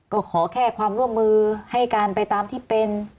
ก็ขอแค่ความร่วมมือให้การไปตามที่เป็น